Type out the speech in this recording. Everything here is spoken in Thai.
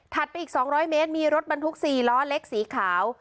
ไปอีก๒๐๐เมตรมีรถบรรทุก๔ล้อเล็กสีขาว